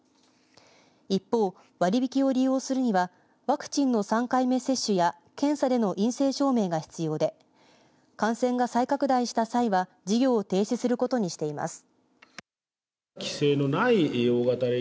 一方、割り引きを利用するにはワクチンの３回目接種や検査での陰性証明が必要で感染が再拡大した際は事業を停止することにしています。